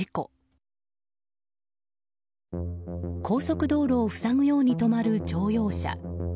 高速道路を塞ぐように止まる乗用車。